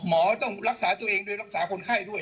ต้องรักษาตัวเองโดยรักษาคนไข้ด้วย